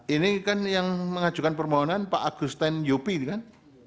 ini kan yang mengajukan permohonan pak agustan yopi kan